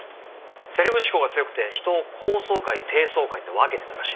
セレブ思考が強くて人を高層階低層階って分けてたらしい。